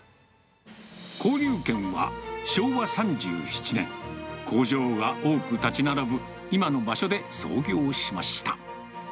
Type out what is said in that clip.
高龍軒は、昭和３７年、工場が多く建ち並ぶ今の場所で創業しました。